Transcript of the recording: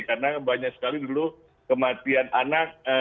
karena banyak sekali dulu kematian anak